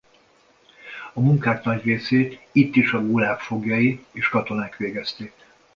A munkák nagy részét itt is a Gulag foglyai és katonák végezték.